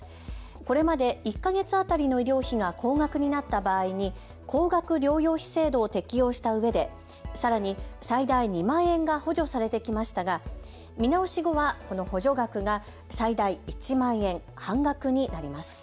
これまで１か月当たりの医療費が高額になった場合に高額療養費制度を適用したうえでさらに最大２万円が補助されてきましたが見直し後はこの補助額が最大１万円、半額になります。